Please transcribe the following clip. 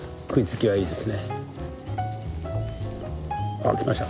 あっ来ました。